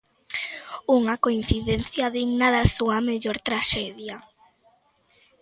Unha coincidencia digna da súa mellor traxedia.